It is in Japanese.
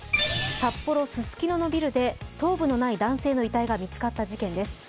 札幌ススキノのビルで頭部のない男性の遺体が見つかった事件です。